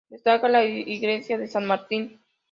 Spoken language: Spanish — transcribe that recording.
Destaca la Iglesia de San Martín.